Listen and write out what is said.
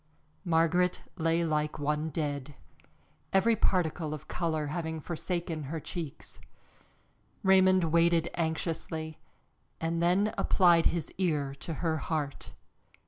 Margaret lay like one dead, every particle of color having forsaken her cheeks. Raymond waited anxiously, and then applied his ear to her heart.